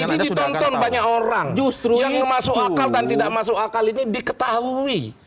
ini ditonton banyak orang justru yang masuk akal dan tidak masuk akal ini diketahui